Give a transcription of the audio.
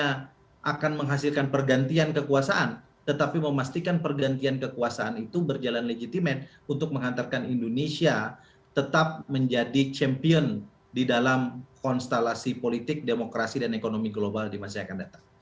karena akan menghasilkan pergantian kekuasaan tetapi memastikan pergantian kekuasaan itu berjalan legitimen untuk menghantarkan indonesia tetap menjadi champion di dalam konstelasi politik demokrasi dan ekonomi global di masa yang akan datang